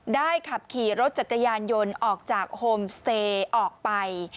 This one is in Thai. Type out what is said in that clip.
ขับขี่รถจักรยานยนต์ออกจากโฮมเซออกไป